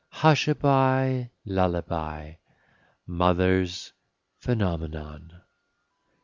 Hushaby, lullaby, mother's phenomenon.